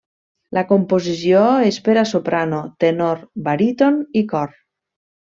La composició és per a soprano, tenor, baríton i cor.